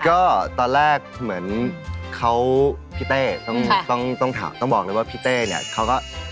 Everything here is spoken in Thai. ก็ตอนแรกเหมือนพี่แต้ต้องบอกเลยว่าพี่แต้เขาก็